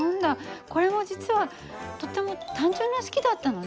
これも実はとっても単純な式だったのね。